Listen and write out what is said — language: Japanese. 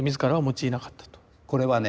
これはね